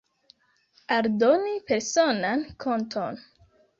Aldoni personan konton.